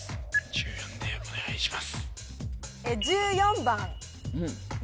１４でお願いします